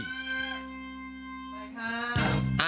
ไปค่ะ